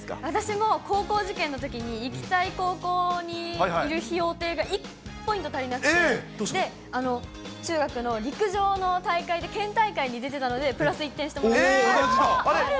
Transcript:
私も高校受験のときに行きたい高校にいる評定が１ポイント足りなくて、中学の陸上の大会で県大会に出てたので、同じだ。